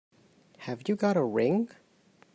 Have you got a ring?